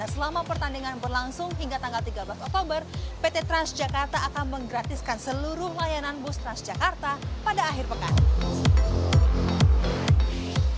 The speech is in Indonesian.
dan selama pertandingan berlangsung hingga tanggal tiga belas oktober pt trans jakarta akan menggratiskan seluruh layanan bus trans jakarta pada akhir pekan